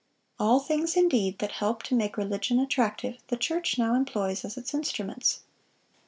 "All things, indeed, that help to make religion attractive, the church now employs as its instruments."